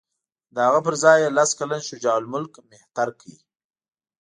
د هغه پر ځای یې لس کلن شجاع الملک مهتر کړ.